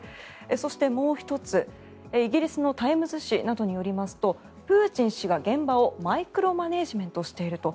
そして、もう１つイギリスのタイムズ紙などによりますとプーチン氏が現場をマイクロマネジメントしていると。